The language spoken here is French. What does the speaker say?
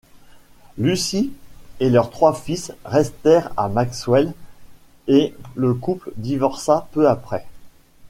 Lucy et leurs trois fils restèrent à Maxwell et le couple divorça peu après.